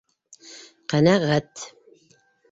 Ҡәнәғәт.